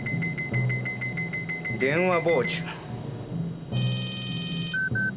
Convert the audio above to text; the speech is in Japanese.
電話傍受。